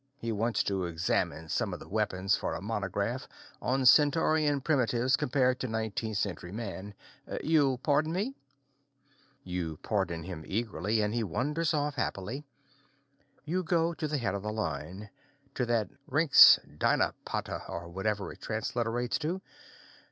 He wants to examine some of the weapons for a monograph on Centaurian primitives compared to nineteenth century man. You'll pardon me?" You pardon him pretty eagerly and he wanders off happily. You go up to the head of the line, to that Rinks Dynapattuh, or whatever it transliterates to.